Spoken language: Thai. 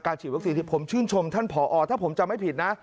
การฉีดเวอร์พออออที่ผมชื่นชมท่านผอออดถ้าผมจะไม่ผิดนะ